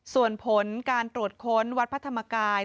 ส่วนผลการตรวจค้นวัดพระธรรมกาย